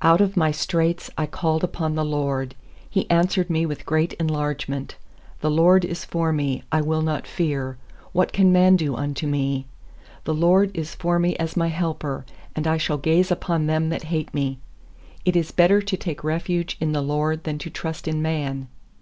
fiOut of my straits I called upon the LORD; He answered me with great en largement, i 6The LORD is forme; I will not fear; What can man do unto me? 7The LORD is for me as my helper; And I shall gaze upon them that hate me. 8It is better to take refuge in the LORD Than to trust in man.